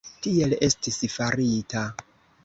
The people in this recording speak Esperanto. Tiel estis farita.